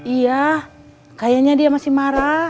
iya kayaknya dia masih marah